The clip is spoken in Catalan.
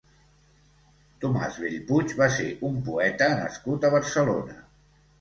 Tomàs Bellpuig va ser un poeta nascut a Barcelona.